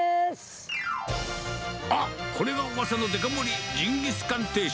あっ、これがうわさのデカ盛り、ジンギスカン定食。